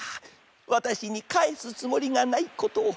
わたしにかえすつもりがないことを。